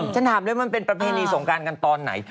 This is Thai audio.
ฉันถามเลยมันเป็นประเพณีสงการกันตอนไหน